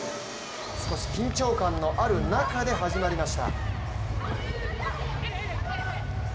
少し緊張感のある中で始まりました。